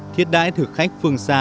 thiết đãi thử khách phương xa